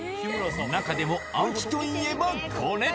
中でも秋といえばこれ。